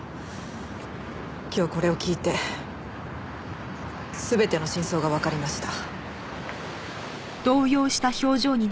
今日これを聞いて全ての真相がわかりました。